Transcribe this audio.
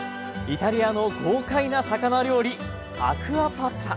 イタリアの豪快な魚料理アクアパッツァ。